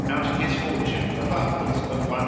out of his fortune of upwards of 183,000l.